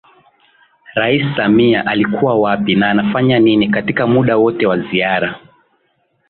Rais Samia alikuwa wapi na anafanya nini katika muda wote wa ziara